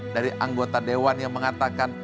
dari anggota dewan yang mengatakan